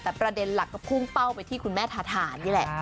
แต่ประเด็นหลักก็พุ่งเป้าไปที่คุณแม่ทาถ่านนี่แหละ